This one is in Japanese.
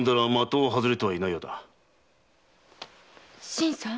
新さん？